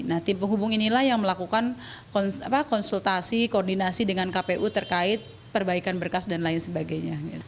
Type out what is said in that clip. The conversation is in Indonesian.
nah tim penghubung inilah yang melakukan konsultasi koordinasi dengan kpu terkait perbaikan berkas dan lain sebagainya